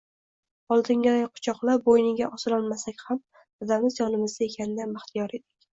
Oldingiday quchoqlab, boʻyniga osilolmasak ham, dadamiz yonimizda ekanidan baxtiyor edik.